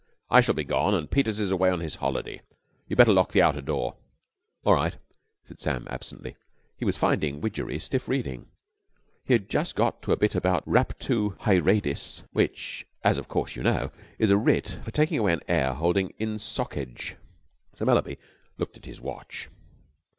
I shall be gone, and Peters is away on his holiday. You'd better lock the outer door." "All right," said Sam absently. He was finding Widgery stiff reading. He had just got to the bit about Raptu Haeredis, which, as of course you know, is a writ for taking away an heir holding insocage. Sir Mallaby looked at his watch.